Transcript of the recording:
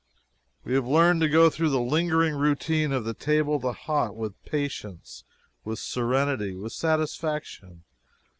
We have learned to go through the lingering routine of the table d'hote with patience, with serenity, with satisfaction.